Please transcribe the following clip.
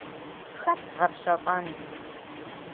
Хэт згъэпщэфӀэн?